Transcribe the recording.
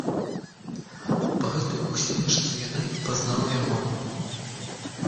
Па гэтай усмешцы яна і пазнала яго.